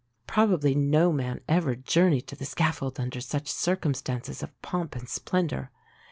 Probably no man ever journeyed to the scaffold under such circumstances of pomp and splendour.